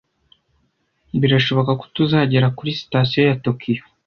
Birashoboka ko tuzagera kuri sitasiyo ya Tokiyo